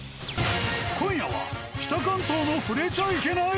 今夜は北関東の触れちゃいけない！？